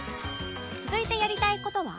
続いてやりたい事は